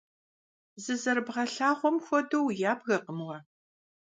Зызэрыбгъэлъагъуэм хуэдэу уябгэкъым уэ.